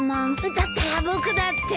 だったら僕だって。